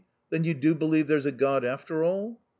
" Then you do believe there's a God, after all